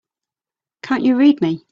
Can't you read me?